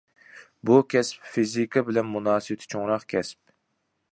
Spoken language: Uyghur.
بۇ كەسىپ فىزىكا بىلەن مۇناسىۋىتى چوڭراق كەسىپ.